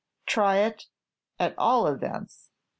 Try it, at all events.